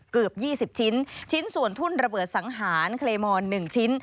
เกือบ๒๐ชิ้นชิ้นส่วนทุ่นระเบิดสังหารเคลมอน๑ชิ้น